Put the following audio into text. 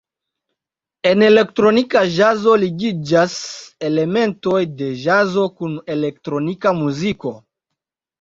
En elektronika ĵazo ligiĝas elementoj de ĵazo kun elektronika muziko.